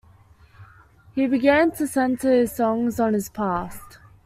He began to centre his songs on his past.